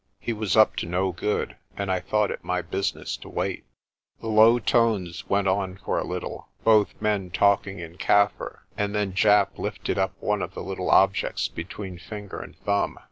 He was up to no good, and I thought it my business to wait. The low tones went on for a little, both men talking in Kaffir, and then Japp lifted up one of the little objects between finger and thumb.